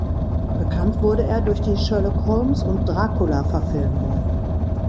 Bekannt wurde er durch die Sherlock-Holmes- und Dracula-Verfilmungen.